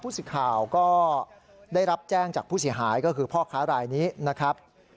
สิทธิ์ข่าวก็ได้รับแจ้งจากผู้เสียหายก็คือพ่อค้ารายนี้นะครับ